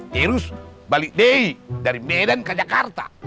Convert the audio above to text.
terus balik day dari medan ke jakarta